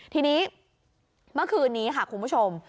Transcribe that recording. ทีนี้เมื่อคืนนี้ค่ะคุณผู้ชม